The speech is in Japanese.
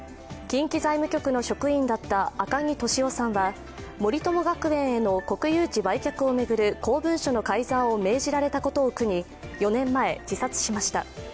近畿財務局の職員だった赤木俊夫さんは森友学園への国有地売却を巡る公文書の改ざんを命じられたことを苦に４年前、自殺しました。